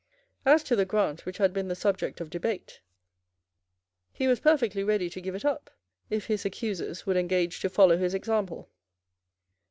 As to the grant which had been the subject of debate, he was perfectly ready to give it up, if his accusers would engage to follow his example.